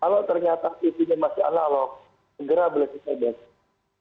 nah kalau ternyata tv nya masih analog segera boleh cek di bkn